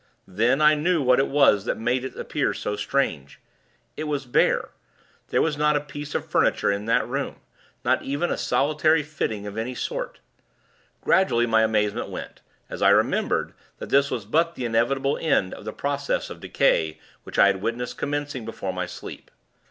Then, I knew what it was that made it appear so strange. It was bare: there was not a piece of furniture in the room; not even a solitary fitting of any sort. Gradually, my amazement went, as I remembered, that this was but the inevitable end of that process of decay, which I had witnessed commencing, before my sleep.